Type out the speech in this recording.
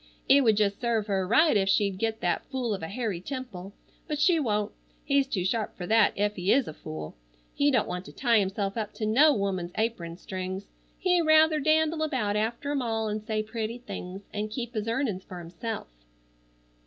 It would jes' serve her right ef she'd get that fool of a Harry Temple, but she won't. He's too sharp for that ef he is a fool. He don't want to tie himself up to no woman's aprun strings. He rather dandle about after 'em all an' say pretty things, an' keep his earnin's fer himself."